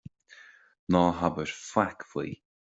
Ná habair faic faoi.